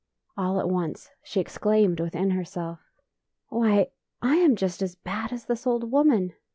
All at once she exclaimed within herself, " Why, I am just as bad as this old woman!